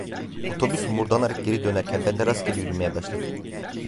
Otobüs homurdanarak geri dönerken ben de rastgele yürümeye başladım.